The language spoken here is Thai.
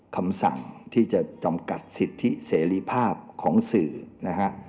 คำสั่งที่จะจำกัดสิทธิเสรีภาพของสื่อนะฮะ